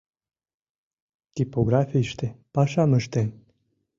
Типографийыште пашам ыштен.